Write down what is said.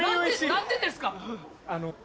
何でですか？